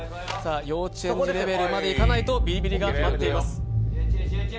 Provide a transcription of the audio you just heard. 幼稚園児レベルまでいかないとビリビリが待っています。